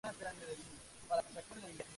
Coca-Cola Zero".